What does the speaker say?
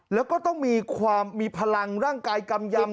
แล้วก็ต้องมีพลังร่างกายกำยำ